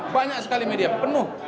banyak sekali media penuh